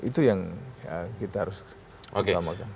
itu yang kita harus utamakan